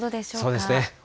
そうですね。